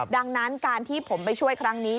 ดังนั้นการที่ผมไปช่วยครั้งนี้